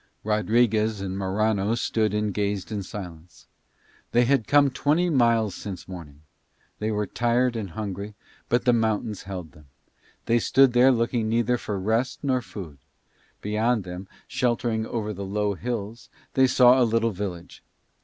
Rodriguez and Morano stood and gazed in silence. They had come twenty miles since morning, they were tired and hungry, but the mountains held them: they stood there looking neither for rest nor food. Beyond them, sheltering under the low hills, they saw a little village.